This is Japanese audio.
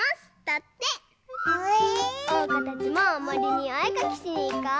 おうかたちももりにおえかきしにいこう！